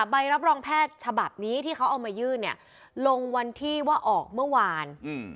ใบรับรองแพทย์ฉบับนี้ที่เขาเอามายื่นเนี่ยลงวันที่ว่าออกเมื่อวาน